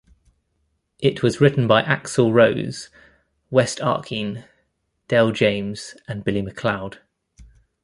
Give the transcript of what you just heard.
It was written by Axl Rose, West Arkeen, Del James and Billy McCloud.